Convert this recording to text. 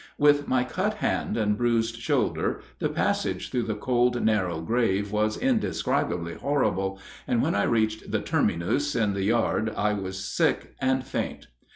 With my cut hand and bruised shoulder, the passage through the cold, narrow grave was indescribably horrible, and when I reached the terminus in the yard I was sick and faint.